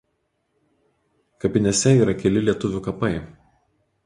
Kapinėse yra keli lietuvių kapai.